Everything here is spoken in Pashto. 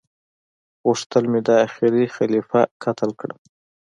غوښتل مي دا اخيري خليفه قتل کړم